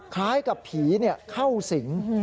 คล้ายกับผีเข้าสิง